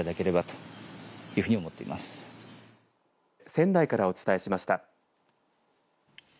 仙台からお伝えしました。